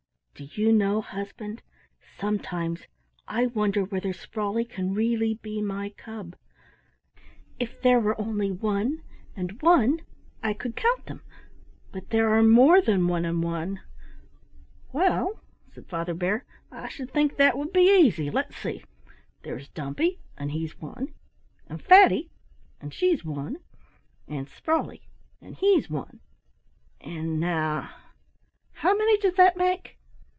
"Do you know, husband, sometimes I wonder whether Sprawley can really be my cub. If I could only count them I might find out. If there were only one and one I could count them, but there are more than one and one." "Well," said Father Bear, "I should think that would be easy. Let's see. There's Dumpy, and he's one, and Fatty, and she's one, and Sprawley, and he's one. And now how many does that make?"